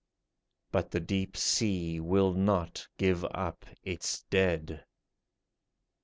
But the deep sea will not give up its dead.